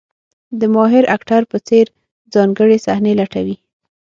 د ماهر اکټر په څېر ځانګړې صحنې لټوي.